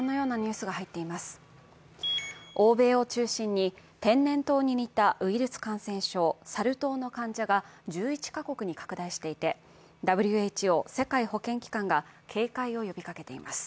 欧米を中心に天然痘に似たウイルス感染症、サル痘の患者が１１カ国に拡大していて、ＷＨＯ＝世界保健機関が警戒を呼びかけています。